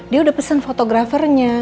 dia udah pesen fotografernya